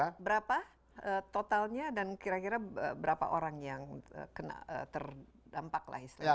berapa totalnya dan kira kira berapa orang yang terdampak lah istilahnya